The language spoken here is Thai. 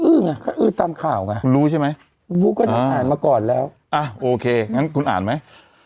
ไงก็อื้อตามข่าวไงคุณรู้ใช่ไหมคุณบุ๊กก็ต้องอ่านมาก่อนแล้วอ่ะโอเคงั้นคุณอ่านไหม